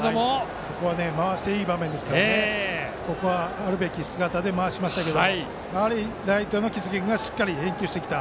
ここは回していい場面ですからあるべき姿で回しましたがライトの木次君がしっかり返球してきた。